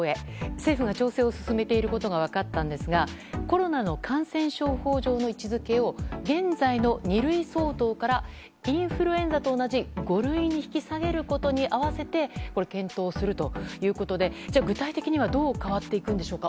政府が調整を進めていることが分かったんですがコロナの感染法上の位置づけを現在の二類相当からインフルエンザと同じ五類に引き下げることに併せて検討するということで具体的にはどう変わっていくんでしょうか。